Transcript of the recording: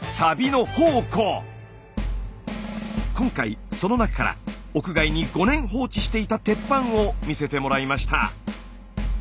今回その中から屋外に５年放置していた鉄板を見せてもらいました。